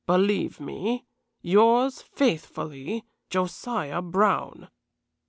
"Believe me, "Yours faithfully, "JOSIAH BROWN."